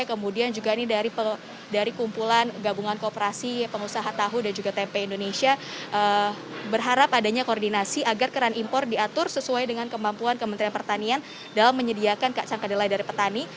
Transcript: kemudian juga ini dari kumpulan gabungan kooperasi pengusaha tahu dan juga tempe indonesia berharap adanya koordinasi agar keran impor diatur sesuai dengan kemampuan kementerian pertanian dalam menyediakan kacang kedelai dari petani